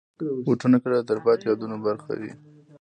بوټونه کله د تلپاتې یادونو برخه وي.